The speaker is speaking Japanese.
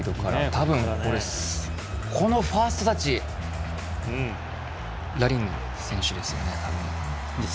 たぶん、ファーストタッチラリン選手ですよね。